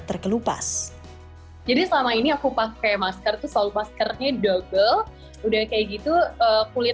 terkelupas jadi selama ini aku pakai masker itu selalu maskernya double udah kayak gitu kulit